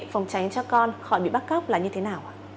phòng tránh cho con khỏi bị bắt cóc là như thế nào ạ